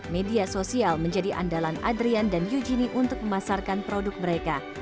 media sosial menjadi andalan adrian dan eugenie untuk memasarkan produk mereka